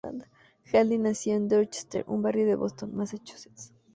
Hanley nació en Dorchester, un barrio de Boston, Massachusetts.